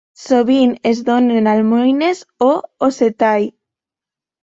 Sovint es donen almoines o "osettai".